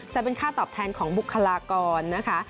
จะเป็นค่าตอบแทนของบุคลากรนะคะ